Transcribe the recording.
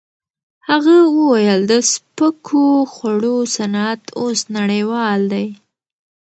هغه وویل د سپکو خوړو صنعت اوس نړیوال دی.